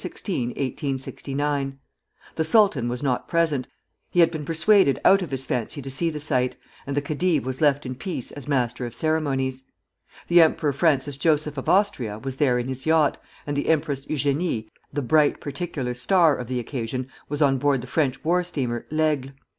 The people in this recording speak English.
16, 1869. The sultan was not present; he had been persuaded out of his fancy to see the sight, and the khedive was left in peace as master of ceremonies. The Emperor Francis Joseph of Austria was there in his yacht, and the Empress Eugénie, the "bright particular star" of the occasion, was on board the French war steamer "L'Aigle."